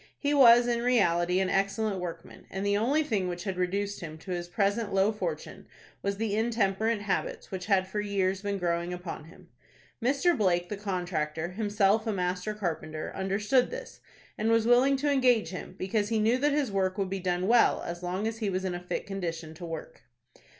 He was in reality an excellent workman, and the only thing which had reduced him to his present low fortune was the intemperate habits which had for years been growing upon him. Mr. Blake, the contractor, himself a master carpenter, understood this, and was willing to engage him, because he knew that his work would be done well as long as he was in a fit condition to work.